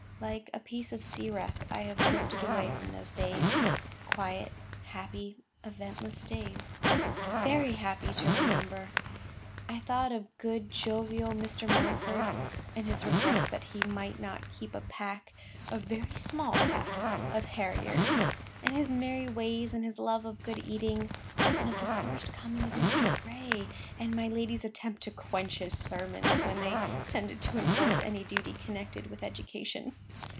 Like a piece of sea wreck, I have drifted away from those days: quiet, happy, eventless days,—very happy to remember! I thought of good, jovial Mr. Mountford,—and his regrets that he might not keep a pack, "a very small pack," of harriers, and his merry ways, and his love of good eating; of the first coming of Mr. Gray, and my lady's attempt to quench his sermons, when they tended to enforce any duty connected with education.